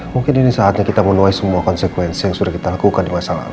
mungkin ini saatnya kita menuai semua konsekuensi yang sudah kita lakukan di masa lalu